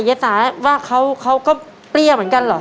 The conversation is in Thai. เย็ดสาว่าเขาก็เปรี้ยวเหมือนกันเหรอครับ